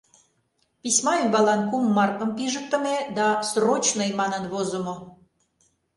Письма ӱмбалан кум маркым пижыктыме да «срочный» манын возымо.